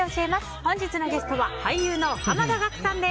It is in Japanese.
本日のゲストは俳優の濱田岳さんです。